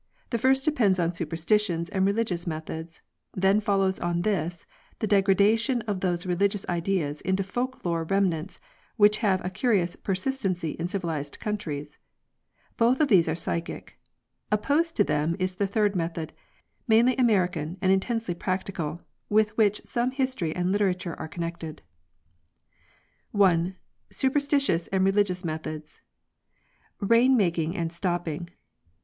The first depends on superstitious and religious methods; then follows on this the degradation of these religious ideas into folk lore remnants, which have a curious persistency in civilized countries. Both these are psychic. Opposed to them is the third method, mainly American and intensely practical. with which some history and literature are connected. I. Superstirious AND ReEuicious Meruops. RAIN MAKING AND STOPPING.